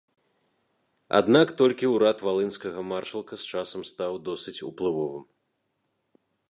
Аднак толькі ўрад валынскага маршалка з часам стаў досыць уплывовым.